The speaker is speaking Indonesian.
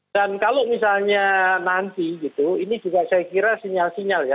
dan kalau misalnya nanti gitu ini juga saya kira sinyal sinyal ya